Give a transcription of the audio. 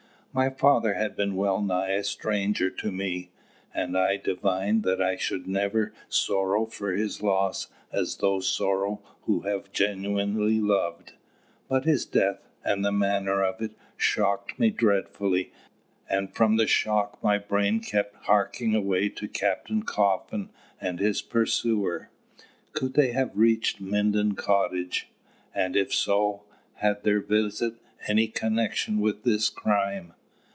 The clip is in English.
My father had been well nigh a stranger to me, and I divined that I should never sorrow for his loss as those sorrow who have genuinely loved. But his death, and the manner of it, shocked me dreadfully, and from the shock my brain kept harking away to Captain Coffin and his pursuer. Could they have reached Minden Cottage? And, if so, had their visit any connection with this crime?